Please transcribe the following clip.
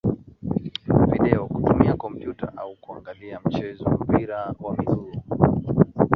Video, kutumia kompyuta au kuangalia mchezo wa mpira wa miguu.